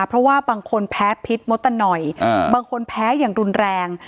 เพราะว่าบางคนแพ้พิษมดตะหน่อยบางคนแพ้อย่างรุนแรง